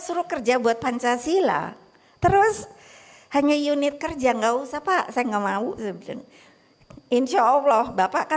suruh kerja buat pancasila terus hanya unit kerja enggak usah pak saya enggak mau insyaallah bapak